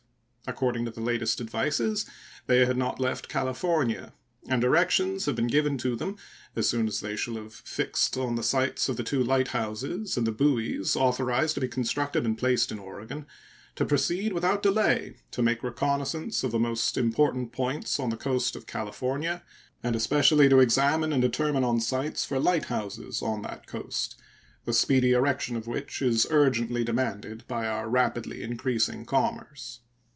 According to the latest advices, they had not left California; and directions have been given to them, as soon as they shall have fixed on the sites of the two light houses and the buoys authorized to be constructed and placed in Oregon, to proceed without delay to make reconnaissance of the most important points on the coast of California, and especially to examine and determine on sites for light houses on that coast, the speedy erection of which is urgently demanded by our rapidly increasing commerce.